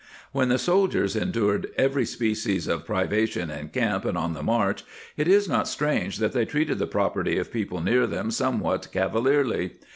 ^ When the soldiers endured every species of privation in camp and on the march, it is not strange that they treated the property of people near them somewhat cavalierly.